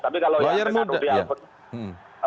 tapi kalau yang dengan rudi alfonso